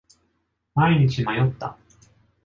毎日迷った。